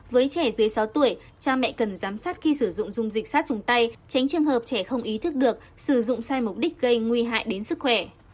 với trẻ dưới sáu tuổi cha mẹ cần giám sát khi sử dụng dung dịch sát trùng tay tránh trường hợp trẻ không ý thức được sử dụng sai mục đích gây nguy hại đến sức khỏe